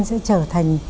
sẽ trở thành